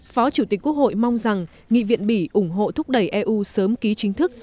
phó chủ tịch quốc hội mong rằng nghị viện bỉ ủng hộ thúc đẩy eu sớm ký chính thức